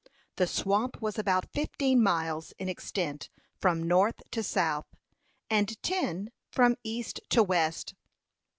The swamp was about fifteen miles in extent from north to south, and ten from east to west.